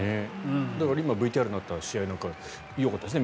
だから今、ＶＴＲにあった試合はよかったですね。